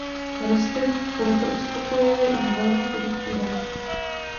Roste proto uspokojivě i ve velmi chudých půdách.